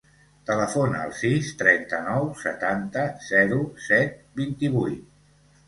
Telefona al sis, trenta-nou, setanta, zero, set, vint-i-vuit.